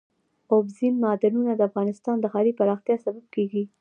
اوبزین معدنونه د افغانستان د ښاري پراختیا سبب کېږي.